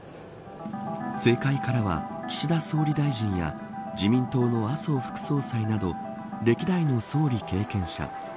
政界からは岸田総理大臣や自民党の麻生副総裁など歴代の総理経験者。